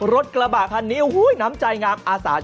รถกระบะท่านนี้น้ำใจงากอาศาจ